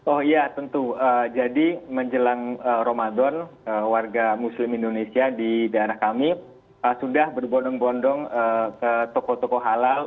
oh iya tentu jadi menjelang ramadan warga muslim indonesia di daerah kami sudah berbondong bondong ke toko toko halal